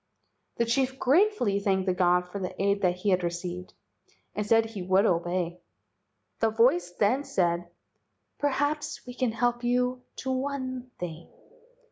The chief gratefully thanked the god for the aid that he had received, and said he would obey. The voice then said: "Perhaps we can help you to one thing.